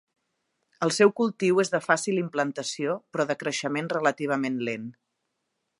El seu cultiu és de fàcil implantació però de creixement relativament lent.